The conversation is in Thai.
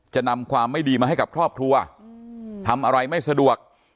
จะนำความไม่ดีมาให้กับครอบครัวทำอะไรไม่สะดวก